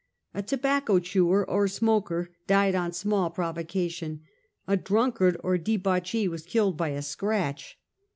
A tobacco chewer or smoker died on small provocation. A drunkard or debauchee was killed by a scratch.